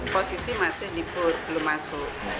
posisi masih libur belum masuk